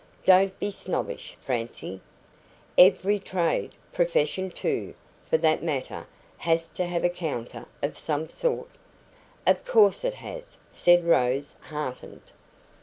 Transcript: Don't be snobbish, Francie. Every trade profession too, for that matter has to have a counter of some sort." "Of course it has," said Rose, heartened.